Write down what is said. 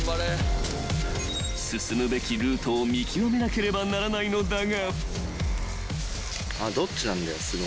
［進むべきルートを見極めなければならないのだが］